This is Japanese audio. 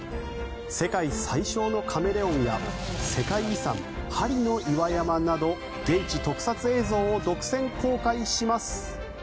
世界最小のカメレオンや世界遺産、針の岩山など現地特撮映像を独占公開します。